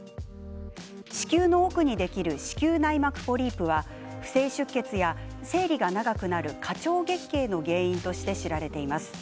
子宮の奥にできる子宮内膜ポリープは不正出血や、生理が長くなる過長月経の原因として知られています。